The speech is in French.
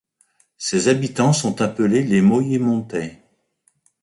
Ses habitants sont appelés les Moyemontais.